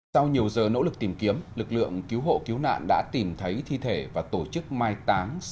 sau nhiều giờ nỗ lực tìm kiếm lực lượng cứu hộ cứu nạn đã tìm thấy thi thể và tổ chức mai táng